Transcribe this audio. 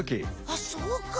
あっそうか！